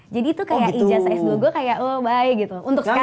jadi itu kayak ijaz s dua gue kayak oh bye gitu untuk sekarang